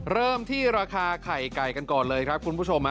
เริ่มที่ราคาไข่ไก่กันก่อนเลยครับคุณผู้ชม